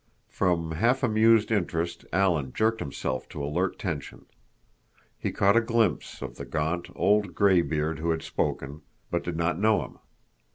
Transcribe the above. From half amused interest Alan jerked himself to alert tension. He caught a glimpse of the gaunt, old graybeard who had spoken, but did not know him.